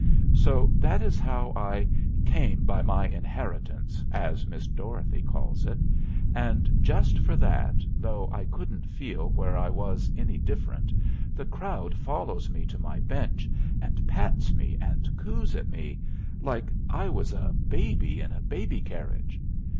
] So that is how I "came by my inheritance," as Miss Dorothy calls it; and just for that, though I couldn't feel where I was any different, the crowd follows me to my bench, and pats me, and coos at me, like I was a baby in a baby carriage.